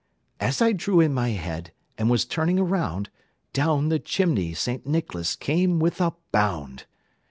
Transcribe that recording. As I drew in my head, and was turning around, Down the chimney St. Nicholas came with a bound.